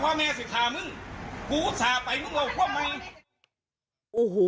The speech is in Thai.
มาพ่อแม่สิค่ะมึงกูอุตส่าห์ไปมึงเอากับพ่อแม่